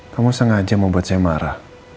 kamu sengaja mau buat saya marah